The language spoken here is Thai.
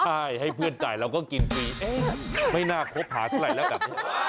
ได้ให้เพื่อนจ่ายเราก็กินฟรีเอ๊ะไม่น่าครบหาไก่แล้วกัน